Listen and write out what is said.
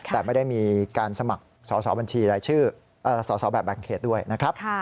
แต่ไม่ได้มีการสมัครสอบบัญชีรายชื่อสอสอแบบแบ่งเขตด้วยนะครับ